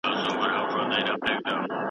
خداي دې تاسو ته اوږد عمر درکړي.